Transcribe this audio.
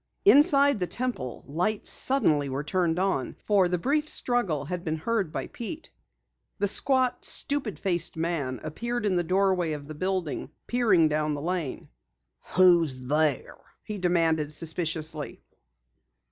Inside the Temple, lights suddenly were turned on, for the brief struggle had been heard by Pete. The squat, stupid faced man appeared in the doorway of the building, peering down the lane. "Who's there?" he demanded suspiciously.